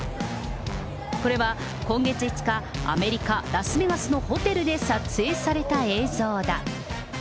これは今月５日、アメリカ・ラスベガスのホテルで撮影された映像だ。